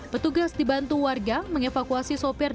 petugas dibantu warga mengevakuasi sopir